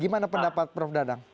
gimana pendapat prof dadang